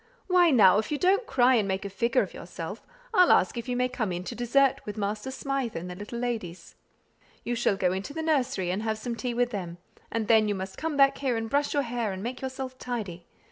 Why now, if you don't cry and make a figure of yourself, I'll ask if you may come in to dessert with Master Smythe and the little ladies. You shall go into the nursery, and have some tea with them; and then you must come back here and brush your hair and make yourself tidy.